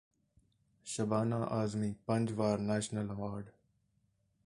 ਸ਼ਬਾਨਾ ਆਜ਼ਮੀ ਪੰਜ ਵਾਰ national award